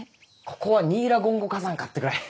ここはニーラゴンゴ火山かってくらい。